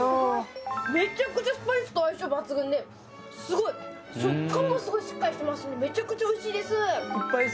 めちゃくちゃスパイスと相性抜群ですごい食感がすごいしっかりしてめちゃくちゃおいしいですいっぱい